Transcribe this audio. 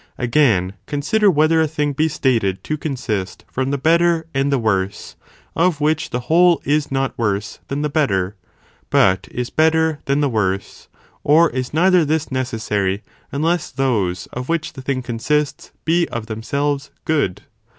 Again, (consider whether a thing be stated to 9 composition consist) from the better and the worse, of which from the better the whole is not worse than the better, but is bet "*"°™* ter than the worse; or is neither this necessary, unless those of which the thing consists, be of themselves good?